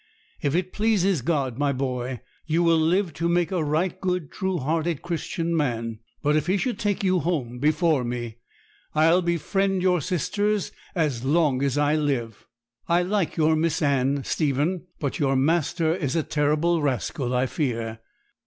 'If it pleases God, my boy, you will live to make a right good, true hearted Christian man; but if He should take you home before me, I'll befriend your sisters as long as I live. I like your Miss Anne, Stephen; but your master is a terrible rascal, I fear.'